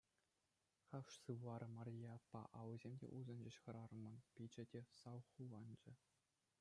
Хаш сывларӗ Марье аппа, аллисем те усӑнчӗҫ хӗрарӑмӑн, пичӗ те салхуланчӗ.